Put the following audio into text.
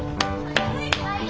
はい！